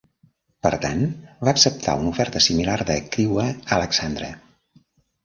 Per tant, va acceptar una oferta similar de Crewe Alexandra.